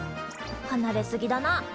はなれ過ぎだな。